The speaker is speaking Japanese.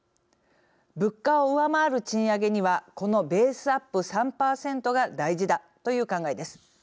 物価を上回る賃上げにはこのベースアップ３％が大事だという考えです。